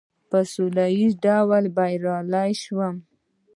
په سوله ایز ډول بریالی شوم.